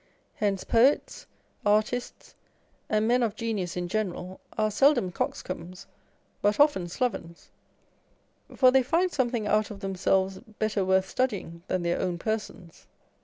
Hence poets, artists, and men of genius in general, are seldom coxcombs, but often slovens ; for they find something out of themselves better worth studying than their own persons.